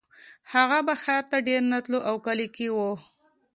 هغه به ښار ته ډېر نه تلو او کلي کې و